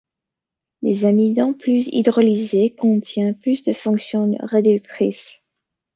Les amidons plus hydrolysés contiennent plus de fonctions réductrices.